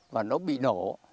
và nó bị nổ